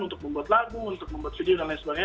untuk membuat lagu untuk membuat video dan lain sebagainya